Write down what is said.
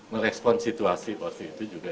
merespon situasi waktu itu juga